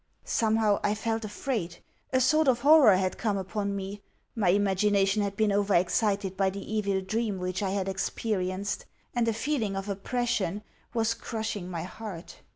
Somehow I felt afraid a sort of horror had come upon me my imagination had been over excited by the evil dream which I had experienced, and a feeling of oppression was crushing my heart....